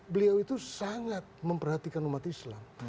beliau itu sangat memperhatikan umat islam